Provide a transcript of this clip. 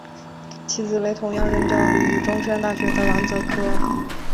其子为同样任教于中山大学的王则柯。